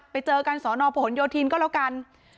ไปเจอกันสอนอพหนโยธินก็แล้วกัน